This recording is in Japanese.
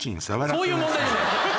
そういう問題じゃない。